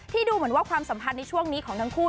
ดูเหมือนว่าความสัมพันธ์ในช่วงนี้ของทั้งคู่